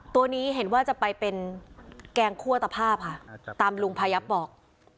ตัวนี้เห็นว่าจะไปเป็นแกงคั่วตภาพค่ะตามลุงพายับบอก